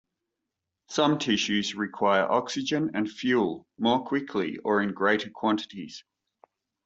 Some tissues require oxygen and fuel more quickly or in greater quantities.